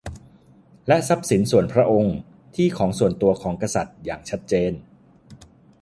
และทรัพย์สินส่วนพระองค์ ที่ของส่วนตัวของกษัตริย์ อย่างชัดเจน